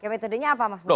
metodenya apa mas